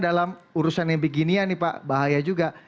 dalam urusan yang beginian nih pak bahaya juga